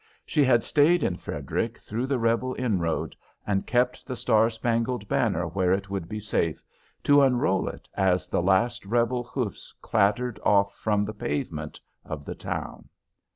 She had stayed in Frederick through the Rebel inroad, and kept the star spangled banner where it would be safe, to unroll it as the last Rebel hoofs clattered off from the pavement of the town.